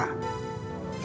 itu ada hitung hitungannya